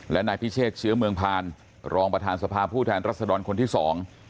และนายพิเชษเชื้อเมืองพานรองประธานสภาผู้แทนรัศดรคนที่สอง